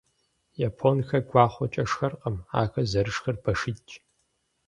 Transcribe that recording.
Японхэр гуахъуэкӏэ шхэркъым, ахэр зэрышхэр башитӏщ.